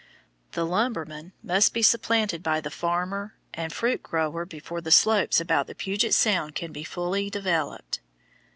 The lumberman must be supplanted by the farmer and fruit grower before the slopes about Puget Sound can be fully developed.